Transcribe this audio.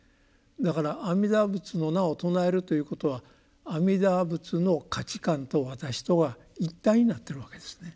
だから阿弥陀仏の名を称えるということは阿弥陀仏の価値観と私とが一体になってるわけですね。